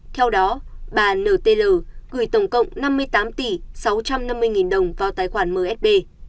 theo đó bà n t l gửi tổng cộng năm mươi tám tỷ sáu trăm năm mươi đồng vào tài khoản msb